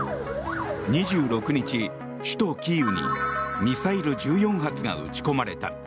２６日、首都キーウにミサイル１４発が撃ち込まれた。